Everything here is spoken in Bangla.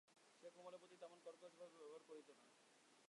সে কমলের প্রতি তেমন কর্কশভাবে ব্যবহার করিত না।